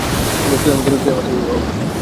তুই আমাদের অভিবাক।